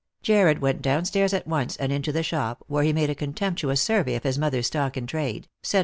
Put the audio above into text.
Jarred went down stairs at once, and into the shop, where he made a contemptuous survey of his mother's stock in trade, set 346 Lost for Love.